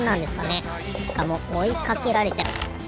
しかもおいかけられちゃうし。